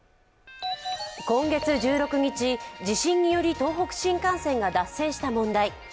今月１６日、地震により東北新幹線が脱線した問題。